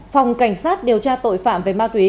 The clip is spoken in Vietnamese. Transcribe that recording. phòng cảnh sát điều tra tội phạm về ma túy